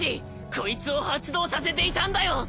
コイツを発動させていたんだよ！